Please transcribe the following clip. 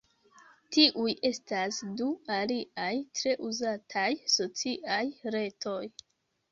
Tiuj estas du aliaj tre uzataj sociaj retoj.